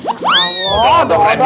mas uwai masuk wolvesino